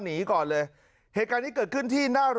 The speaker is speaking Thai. นักเรียงมัธยมจะกลับบ้าน